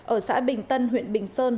ở xã bình tân huyện bình sơn